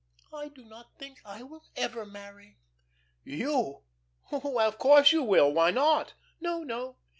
I do not think I shall ever marry." "You! Why, of course you will. Why not?" "No, no.